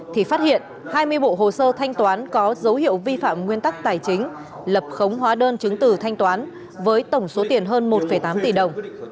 thì phát hiện hai mươi bộ hồ sơ thanh toán có dấu hiệu vi phạm nguyên tắc tài chính lập khống hóa đơn chứng từ thanh toán với tổng số tiền hơn một tám tỷ đồng